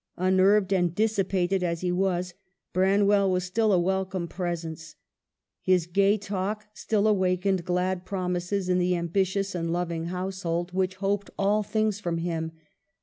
Unnerved and dissipated as he was, Branwell was still a wel come presence ; his gay talk still awakened glad promises in the ambitious and loving household 1 Mrs. Gaskell. 90 EMILY BRONTE. which hoped all things from him.